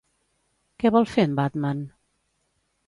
Què vol fer en Batman?